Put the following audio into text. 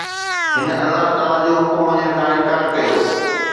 هن الله تعاليٰ جو حڪم مڃڻ کان انڪار ڪيو